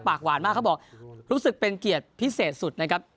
ปากหวานมากเขาบอกรู้สึกเป็นเกียรติพิเศษสุดนะครับ